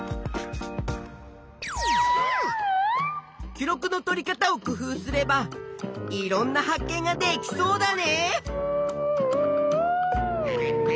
記録のとり方を工夫すればいろんな発見ができそうだね！